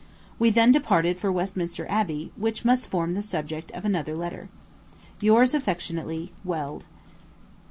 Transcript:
We then departed for Westminster Abbey, which must form the subject of another letter. Yours affectionately, WELD.